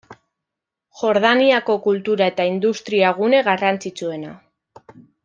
Jordaniako kultura eta industria gune garrantzitsuena.